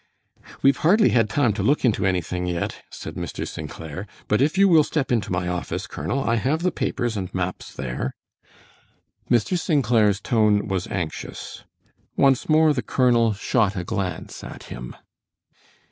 "We've hardly had time to look into anything yet," said Mr. St. Clair; "but if you will step into my office, Colonel, I have the papers and maps there." Mr. St. Clair's tone was anxious. Once more the colonel shot a glance at him.